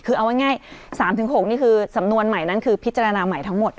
คือเอาง่าย๓๖นี่คือสำนวนใหม่นั้นคือพิจารณาใหม่ทั้งหมด